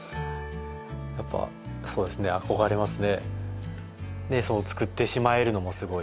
やっぱそうですね憧れますね。